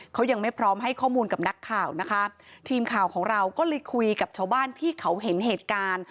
เขายังไม่พร้อมให้ข้อมูลกับนักข่าวนะคะทีมข่าวของเราก็เลยคุยกับชาวบ้านที่เขาเห็นเหตุการณ์